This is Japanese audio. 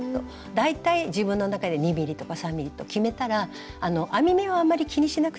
大体自分の中で２ｍｍとか３ｍｍと決めたら編み目はあんまり気にしなくていいのでどんどんすくっていって下さい。